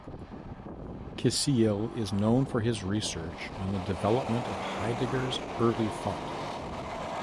Kisiel is known for his research on the development of Heidegger's early thought.